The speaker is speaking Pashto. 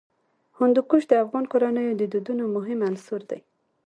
هندوکش د افغان کورنیو د دودونو مهم عنصر دی.